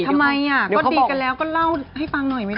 ทำไมก็ตีกันแล้วก็เล่าให้ฟังหน่อยไหมค